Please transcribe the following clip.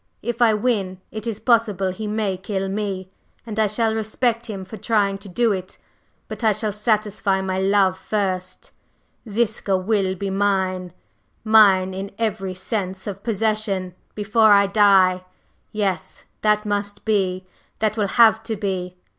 If I win, it is possible he may kill me, and I shall respect him for trying to do it. But I shall satisfy my love first; Ziska will be mine mine in every sense of possession, before I die. Yes, that must be that will have to be.